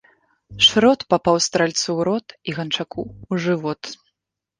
Шрот папаў стральцу ў рот і ганчаку ў жывот.